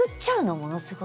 ものすごく。